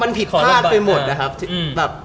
มันผิดพลาดไปหมดนะครับแบบ